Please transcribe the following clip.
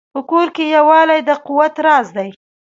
په کور کې یووالی د قوت راز دی.